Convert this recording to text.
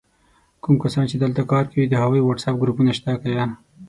کوم کسان چې دلته کار کوي د هغوي وټس آپ ګروپ سته که یا؟!